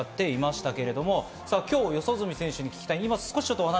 今日、四十住選手に聞きたい。